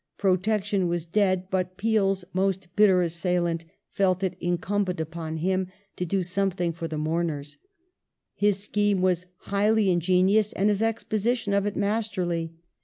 Protection was dead, but Peel's most bitter assailant felt it incumbent upon him to do something for the moumei s. His scheme was highly ingenious and his exposition of it masterly.